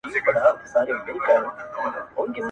• تور او سپین د سترګو دواړه ستا پر پل درته لیکمه -